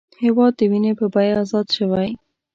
هېواد د وینې په بیه ازاد شوی